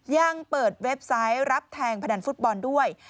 ยังเปิดเว็บไซต์รับแทงพนันฟุตบอลด้วย